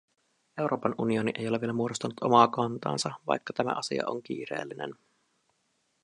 Euroopan unioni ei ole vielä muodostanut omaa kantaansa, vaikka tämä asia on kiireellinen.